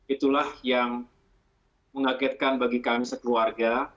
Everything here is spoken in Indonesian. itulah yang mengagetkan bagi kami sekeluarga